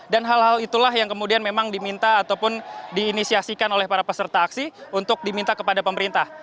dan hal hal itulah yang kemudian memang diminta ataupun diinisiasikan oleh para peserta aksi untuk diminta kepada pemerintah